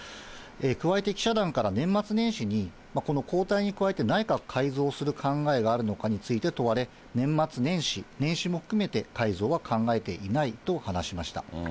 加えて記者団から年末年始に、交代に加えて内閣改造をする考えがあるのかについて問われ、年末年始、年始も含めて改造は考えていないと話しました。